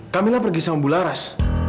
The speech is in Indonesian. kamila pergi sama bularas